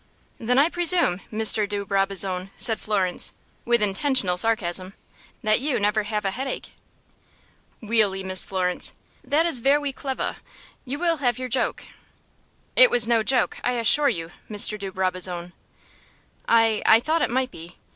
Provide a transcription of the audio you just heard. "Then, I presume, Mr. de Brabazon," said Florence, with intentional sarcasm, "that you never have a headache." "Weally, Miss Florence, that is vewy clevah. You will have your joke." "It was no joke, I assure you, Mr. de Brabazon." "I I thought it might be.